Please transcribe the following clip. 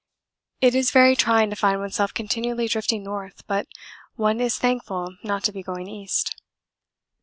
It is very trying to find oneself continually drifting north, but one is thankful not to be going east.